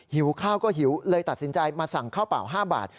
หิวข้าวก็หิวเลยตัดสินใจมาสั่งข้าวเปล่า๕บาท